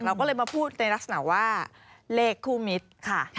เราก็เลยมาพูดในลักษณะว่าเลขคู่มิตรค่ะ